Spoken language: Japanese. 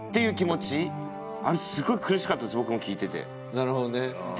なるほどね。